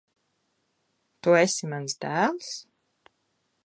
Tu esi mans dēls?